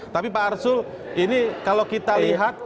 tapi pak arsul ini kalau kita lihat